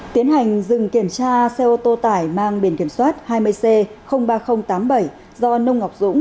tiến hành dừng kiểm tra xe ô tô tải mang biển kiểm soát hai mươi c ba nghìn tám mươi bảy do nông ngọc dũng